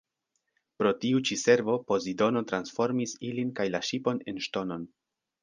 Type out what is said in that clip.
Pro tiu ĉi servo Pozidono transformis ilin kaj la ŝipon en ŝtonon.